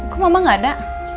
kok mama gak ada